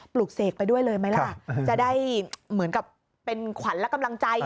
ลูกเสกไปด้วยเลยไหมล่ะจะได้เหมือนกับเป็นขวัญและกำลังใจ